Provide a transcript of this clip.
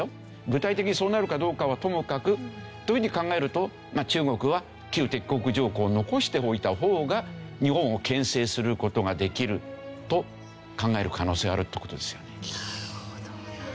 具体的にそうなるかどうかはともかく。というふうに考えると中国は旧敵国条項を残しておいた方が日本を牽制する事ができると考える可能性があるって事ですよね。